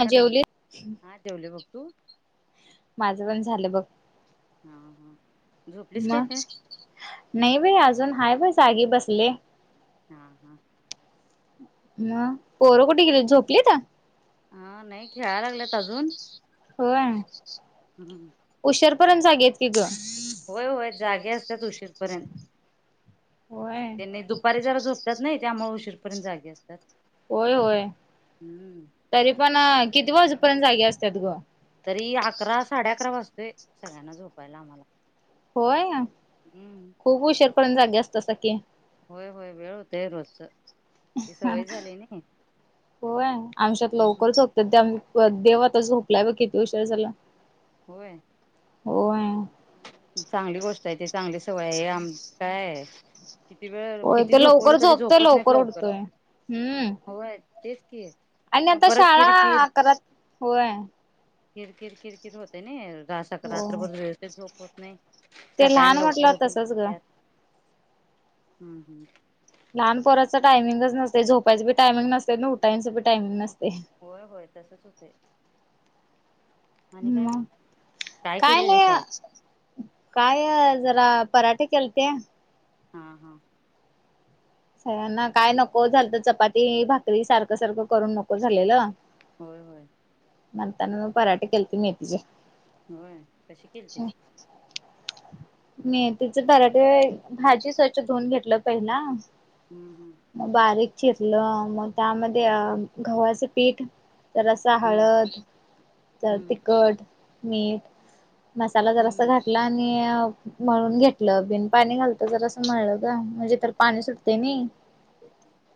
हा लं जेवली हा ठवले बघ तू [unintelligible] माझं पण झालं बघ हा हा झोपलीस काय मग काय नाही बाई अजून हाय प जागी बसले हम् हम् मग पोरं कुठे गेली झोपली का हा नाही खेळायला लागलेत अजून होय हम्म. उशारपर्यंत जाग येत की ग होय होय जागे असतच उशीरपर्यंत होय त्यांनी दुपारी जरा झोपतात नाही त्यामुळे उशीरपर्यंत जागे अस होय होय तरी पण किती वाजेपर्यंत जागे असतात ग तरी अकरा साडे अकरा वाजतोय सगळ्यांना झोपायला आम्हाला होय ना हम्म खूप उशीर करर्यून जागे असत सखी तेरच होय आमच्यात हम्म. लवकरच होत ते देवातच झोपलाय ब किती उषय झाला होय हो आहे चांगली गोष्ट आहे ते चांगली सवय हे आम काय आहे किती वेळ होय किती तो झोपवलं लवकर तरी झोपतोय झोपत नाहीत लवकर उठतोय हम्म होय तेच कि आहे आणि आता शाळा अ करत होय किरकिर किरकिर होते ना स हो रात्रभर वेळते झोप होत नाही. ते सकाळी लहान लवकर म्हटलं उठून तसच ग त्यात हम्म हम्म- लहान पोराचं टायमिंगच नसते झोपायचं टायमिंग नसते ना उठायचं टायमिंग नसते होय होय तसच होते हम् काय हे केलेलीस आज काय जरा पराठे केलते हा हा सना काय नको झाल तर चपाती भाकरी सारखं सारखं करून नको झालेलं होय होय नंतरन पराठे केलते मेथी चे होय कशी केलतीस मेथी चे पराठे भाजी स्वच्छ धुऊन घेतलं पहिला हम्म बारीक चिरल मग त्यामध्ये अ गव्हाचं पीठ रसा हम्म हळद तर हम्म तिखट मीठ मसाला चा रसा हम्म घातला आणि म्हणून घेतलं बिन पाणी घालतो जर असं म्हळल का म्हणजे तर पाणी सुटते नाही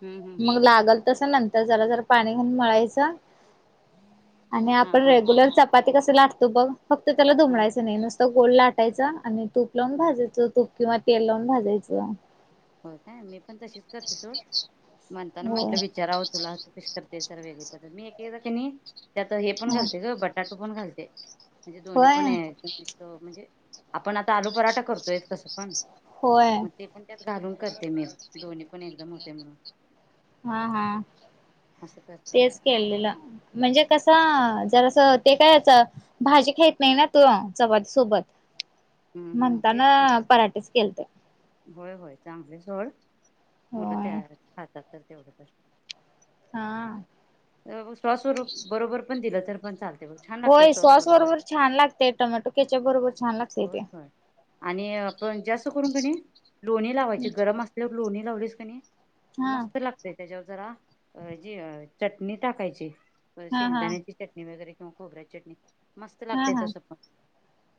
हम्म हम्म हम्म मग लागल तस नंतर जरा जरा पाणी घालून मळायचं आणि हा आपण हा रेग्युलर चपाती कस लाटतो बघ फक्त त्याला हा धुमडायचं नाही नुसत गोल लाटायचा आणि तूप लावून हा भाजाचं तूप किंवा तेल लावून भाजायचं हो काय मी पण तशीच करते सोड म्हणताना हो म्हंटलं विचारावं तुला कशी करते ते सर वेगळी मी एकेकदा नाही त्यात हे पण ह घालते ग बटाटा पण घालते म्हणजे दोन्ही होय पण [inaudible] म्हणजे आपण आता आलू पराठा करतोय कसं पण होय मग ते पण त्यात घालून करते मी दोन्ही पण एकदम होते म्हणून हा हा असं करते तेच केळलेलं म्हणजे कस - जरास ते काय याच भाजी खाईत नाही ना तो चपाती सोबत हम्म हम्म तेच म्हणताना ते पराठे च केलत होय होय चांगलेच सोड मुलं होय तयार खातातच तेवढं तर हम्म स्वस्वरूप बरोबर पण दिलं तर पण चालत होय सॉस बरोबर छान लागतय टोमॅटो केच्यप बरोबर छान लागत होय होय आणि आपण जास्त करून काय नाही लोणी लावायची गरम असल्यावर लोणी दवडीस कनि हा मस्त लागते त्याच्यावर जरा जी चटणी टाकायची हा हा शेंगदाण्याची चटणी वगैरे किंवा खोबऱ्या चटणी मस्त हा लागते हा तस पण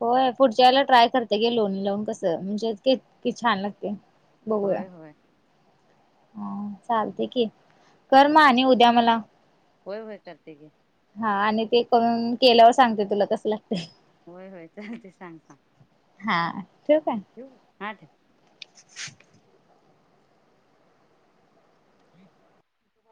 होय पुढच्या वेळेला ट्राय करते घे लोणी लावून कसं म्हणजे [inaudible] छान लागते बघूया होय होय हा चालते की कर म चालेल आणि उद्या मला होय वय करते घे हा आणि ते करून केल्यावर सांगते तुला कसल होय होय चालतय सांग सांग हा ठेऊ हा काय ठेवू का हा ठेव. [unintelligible]